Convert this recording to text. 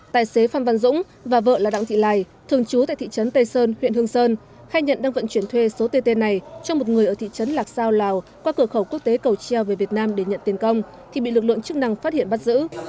tài xế phan văn dũng và vợ là đặng thị lài thường trú tại thị trấn tây sơn huyện hương sơn khai nhận đang vận chuyển thuê số tt này cho một người ở thị trấn lạc sao lào qua cửa khẩu quốc tế cầu treo về việt nam để nhận tiền công thì bị lực lượng chức năng phát hiện bắt giữ